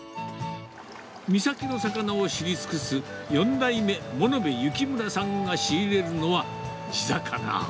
三崎の魚を知り尽くす４代目、物部幸村さんが仕入れるのは、地魚。